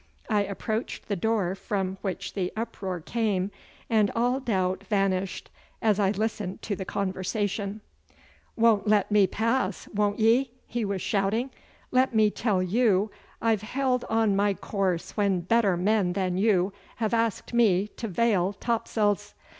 I approached the door from which the uproar came, and all doubt vanished as I listened to the conversation. 'Won't let me pass, won't ye?' he was shouting. 'Let me tell you I've held on my course when better men than you have asked me to veil topsails.